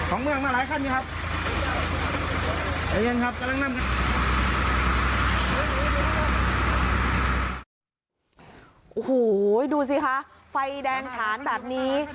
โอ้โหดูสิคะไฟแดงฉานแบบนี้